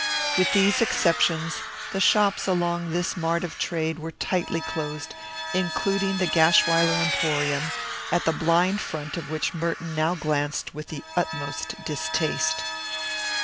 With these exceptions the shops along this mart of trade were tightly closed, including the Gashwiler Emporium, at the blind front of which Merton now glanced with the utmost distaste.